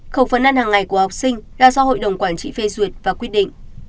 khẩu phần ăn hàng ngày của học sinh là do hội đồng quản trị phê duyệt và quyết định